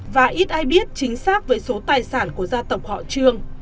và ít ai biết chính xác về số tài sản của gia tộc họ trương